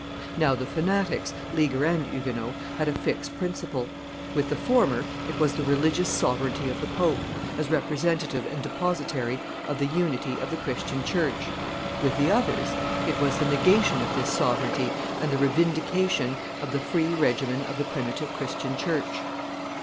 Now the fanatics, Leaguer and Huguenot, had a fixed principle; with the former, it was the religious sovereignty of the pope, as representative and depositary of the unity of the Christian church; with the others, it was the negation of this sovereignty and the revindication of the free regimen of the primitive Christian church.